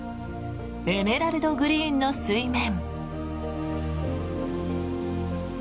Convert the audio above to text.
エメラルドグリーンの水面。